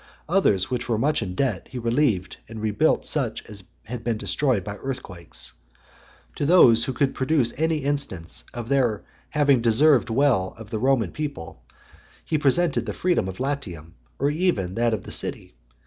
Others, which were much in debt, he relieved, and rebuilt such as had been destroyed by earthquakes. To those that could produce any instance of their having deserved well of the Roman people, he presented the freedom of Latium, or even that of the City.